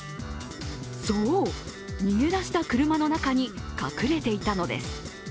そう、逃げた出した車の中に隠れていたのです。